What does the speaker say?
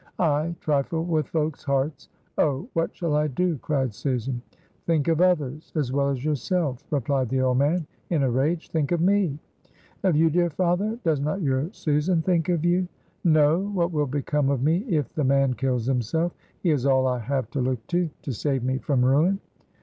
"I trifle with folks' hearts! Oh! what shall I do!" cried Susan. "Think of others as well as yourself," replied the old man in a rage. "Think of me." "Of you, dear father? Does not your Susan think of you?" "No! what will become of me if the man kills himself? He is all I have to look to, to save me from ruin."